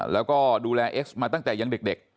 แล้วก็ดูแลเอ็กซ์มาตั้งแต่ยังเด็ก